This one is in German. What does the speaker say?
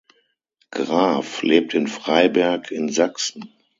Graf lebt in Freiberg in Sachsen.